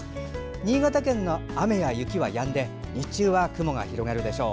新潟県の雨や雪はやんで日中は雲が広がるでしょう。